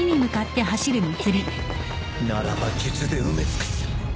ならば術で埋め尽くす